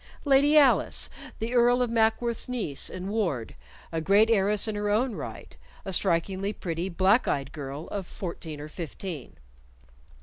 Lady Alice, the Earl of Mackworth's niece and ward, a great heiress in her own right, a strikingly pretty black eyed girl of fourteen or fifteen.